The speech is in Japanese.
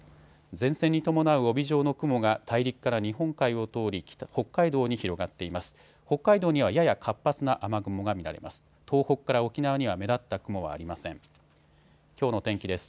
前線に伴う帯状の雲が大陸から日本海を通り北海道に広がっています。